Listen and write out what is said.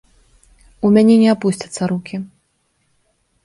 У мяне не апусцяцца рукі.